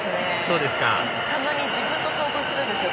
そうですかたまに自分と遭遇するんですよ